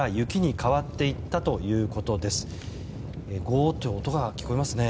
ごーっという音が聞こえますね。